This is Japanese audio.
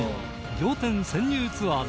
『仰天☆潜入ツアーズ！』